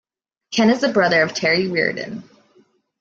Ken is the brother of Terry Reardon.